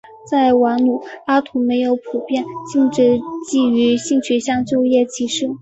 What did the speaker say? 在瓦努阿图没有普遍禁止基于性取向的就业歧视。